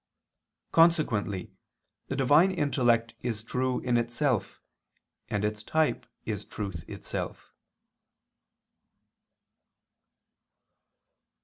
Consequently the Divine intellect is true in itself; and its type is truth itself.